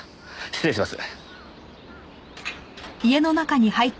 失礼します。